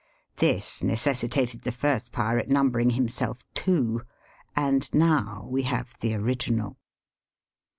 This neces sitated the first pirate numbering himself *^ two,'' and now we have the *^ original."